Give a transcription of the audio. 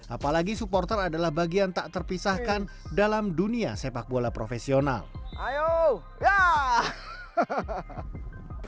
apalagi supporter adalah bagian tak terpisahkan dalam dunia sepak bola profesional ayo